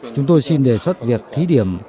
chúng tôi xin đề xuất việc thí điểm